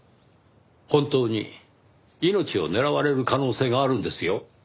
本当に命を狙われる可能性があるんですよ？